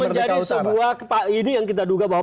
menjadi sebuah ini yang kita duga bahwa